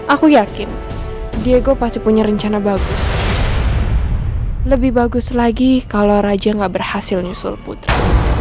aku yakin diego pasti punya rencana bagus lebih bagus lagi kalau raja gak berhasil nyusul putri